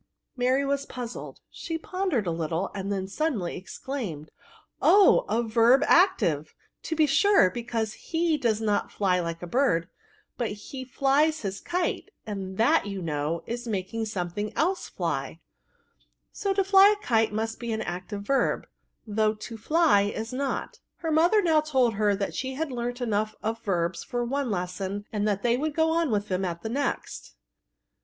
Mary was puzzled; she pondered a little, and then suddenly exclaimed, " Oh, a verb active, to be sure, because he does not fly like the bird, but he flies his kite, and that you know is making something else fly ; so, to fly a kite must be an active verb, though to fly is not.*' Her mother now told her, she had learnt enough of verbs for one lesson, and that they would go on with them at the next.